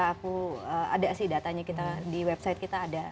aku ada sih datanya kita di website kita ada